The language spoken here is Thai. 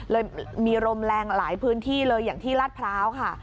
เลยมีลมแรงหลายพื้นที่เลยอย่างที่ลาดพร้าวค่ะ